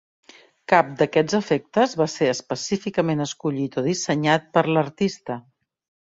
Cap d'aquests efectes va ser específicament escollit o dissenyat per l'artista.